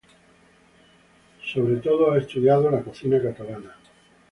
Sobre todo ha estudiado la cocina catalana.